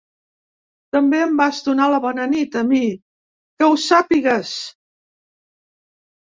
També em vas donar la bona nit a mi, que ho sàpigues!